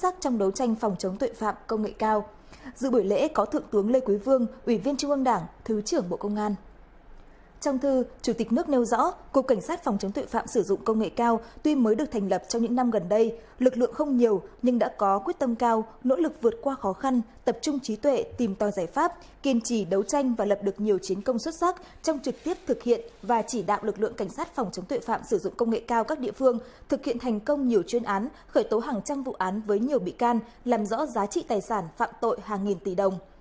trong thư chủ tịch nước nêu rõ cục cảnh sát phòng chống tuệ phạm sử dụng công nghệ cao tuy mới được thành lập trong những năm gần đây lực lượng không nhiều nhưng đã có quyết tâm cao nỗ lực vượt qua khó khăn tập trung trí tuệ tìm to giải pháp kiên trì đấu tranh và lập được nhiều chiến công xuất sắc trong trực tiếp thực hiện và chỉ đạo lực lượng cảnh sát phòng chống tuệ phạm sử dụng công nghệ cao các địa phương thực hiện thành công nhiều chuyên án khởi tố hàng trăm vụ án với nhiều bị can làm rõ giá trị tài sản phạm tội hàng nghìn tỷ đồng